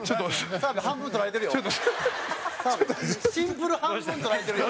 澤部、シンプル半分取られてるよ。